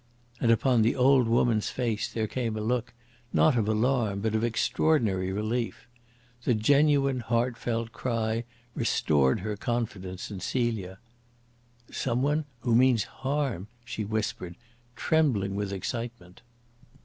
And upon the old woman's face there came a look, not of alarm, but of extraordinary relief. The genuine, heartfelt cry restored her confidence in Celia. "Some one who means harm!" she whispered, trembling with excitement.